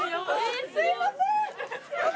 すいません！